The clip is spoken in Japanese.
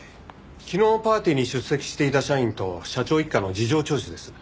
昨日パーティーに出席していた社員と社長一家の事情聴取です。